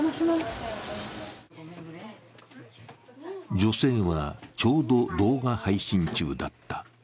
女性は、ちょうど動画配信中だった。